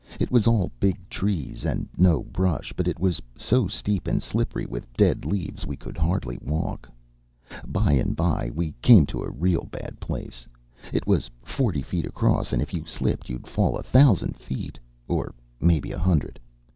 It was all big trees, and no brush, but it was so steep and slippery with dead leaves we could hardly walk. By and by we came to a real bad place. It was forty feet across, and if you slipped you'd fall a thousand feet, or mebbe a hundred.